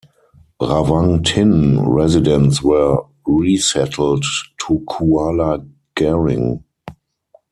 Rawang Tin residents were resettled to Kuala Garing.